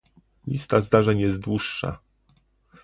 Lista zdarzeń jest dłuższa